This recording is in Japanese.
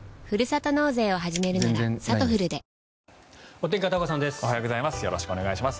おはようございます。